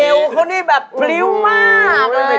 วเขานี่แบบริ้วมากเลย